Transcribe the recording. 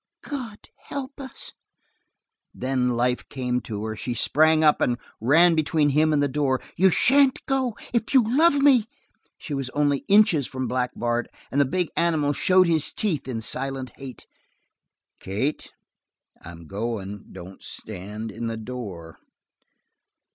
"God help us!" Then life came to her; she sprang up and ran between him and the door. "You shan't go. If you love me!" She was only inches from Black Bart, and the big animal showed his teeth in silent hate. "Kate, I'm goin'. Don't stand in the door."